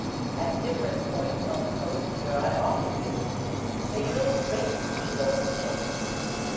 At different points on the coast where I often visit they build great seagoing ships.